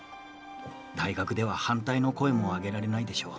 大学では反対の声も上げられないでしょう。